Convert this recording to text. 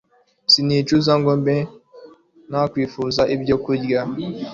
Sinicuza ngo mbe nakwifuza ibyokurya